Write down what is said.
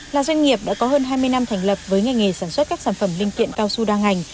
là doanh nghiệp đã có hơn hai mươi năm thành lập với ngành nghề sản xuất các sản phẩm linh kiện cao su đa ngành